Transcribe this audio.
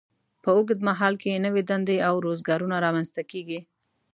په اوږد مهال کې نوې دندې او روزګارونه رامینځته کیږي.